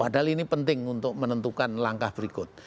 padahal ini penting untuk menentukan langkah berikut